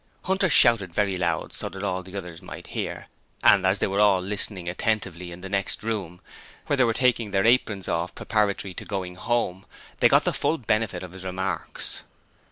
Hunter shouted very loud so that all the others might hear, and as they were all listening attentively in the next room, where they were taking their aprons off preparatory to going home, they got the full benefit of his remarks.